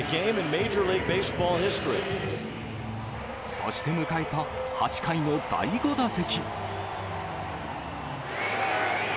そして迎えた８回の第５打席。